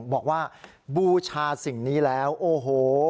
บอกว่าบูชาสิ่งนี้แล้วโอ้โฮ